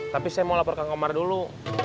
tapi saya mau laporkan ke kamar dulu